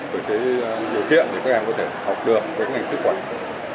với cái điều kiện để các em có thể học được cái ngành sức khỏe